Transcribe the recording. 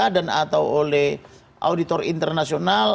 dan atau oleh auditor internasional